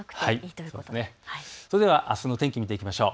それではあすの天気を見ていきましょう。